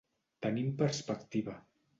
Tenir en perspectiva.